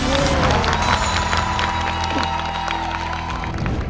เยี่ยม